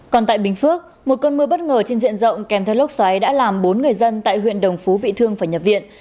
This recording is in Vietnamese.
còn tại bình phước một cơn mưa bất ngờ trên diện rộng kèm theo lốc xoáy đã làm bốn người dân tại huyện đồng phú bị thương phải nhập viện